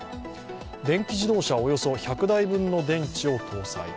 電気自動車およそ１００台分の電池を搭載。